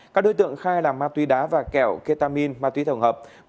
các đối tượng khai là ma túy đá và kẹo ketamin ma túy tổng hợp